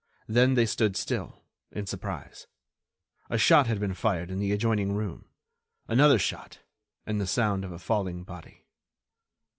Then they stood still, in surprise. A shot had been fired in the adjoining room. Another shot, and the sound of a falling body.